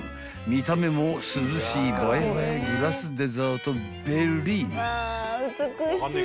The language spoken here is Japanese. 見た目も涼しい映え映えグラスデザートヴェリーヌ］